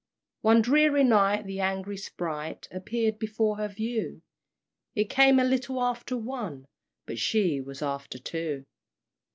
One dreary night the angry sprite Appeared before her view; It came a little after one, But she was after two!